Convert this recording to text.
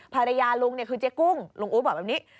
ภรรยาลุงเนี่ยคือเจ๊กุ้งลุงอุ๊บบอกแบบนี้